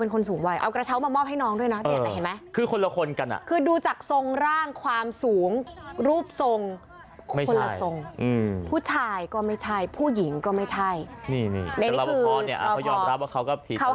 คนสูงวัยเอากระเช้ามามอบให้น้องด้วยนะ